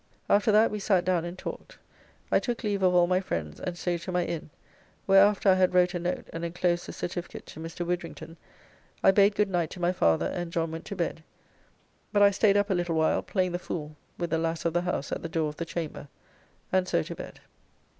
After that we sat down and talked; I took leave of all my friends, and so to my Inn, where after I had wrote a note and enclosed the certificate to Mr. Widdrington, I bade good night to my father, and John went to bed, but I staid up a little while, playing the fool with the lass of the house at the door of the chamber, and so to bed.